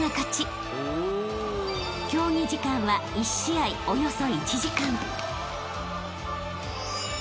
［競技時間は１試合およそ１時間］